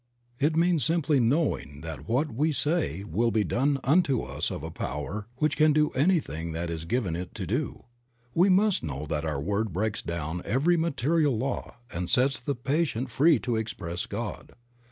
It means simply knowing that what we say will be done unto us of a Power which can do anything that is given It to do. We must know that our word breaks down every material law and sets the patient free to express God.